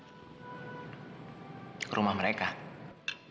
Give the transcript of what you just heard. jika alam rezeki lu keliru